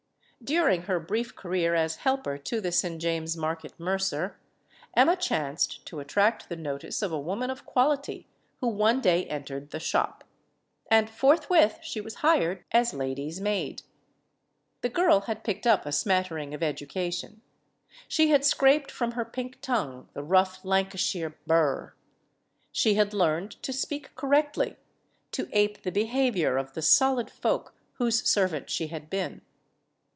During her brief career as helper to the St. James* Market mercer, Emma chanced to attract the notice of a woman of quality who one day entered the shop. And forthwith she was hired as lady's maid. The girl had picked up a mattering of education. She had scraped from her pink tongue the rough Lancashire bur r r. She had learned to speak correctly, to ape the behavior of the solid folk whose servant she had been.